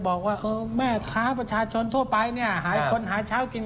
บอกว่าแม่ค้าประชาชนทั่วไปเนี่ยหาคนหาเช้ากิน